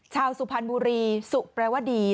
สุพรรณบุรีสุแปลว่าดี